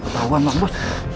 tauan bang burs